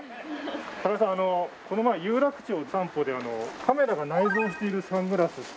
高田さんあのこの前有楽町散歩でカメラが内蔵しているサングラスって。